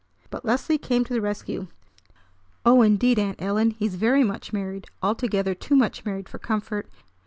But Leslie came to the rescue. "Oh, indeed, Aunt Ellen, he's very much married! Altogether too much married for comfort.